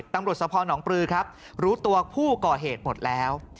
ตำรวจสภหนองปลือครับรู้ตัวผู้ก่อเหตุหมดแล้ว